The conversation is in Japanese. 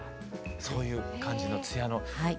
そういう感じの艶の。